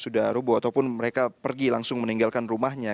sudah rubuh ataupun mereka pergi langsung meninggalkan rumahnya